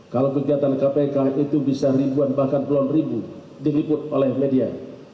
kalau kegiatan kpk itu bisa ribuan bahkan puluhan ribu diliput oleh media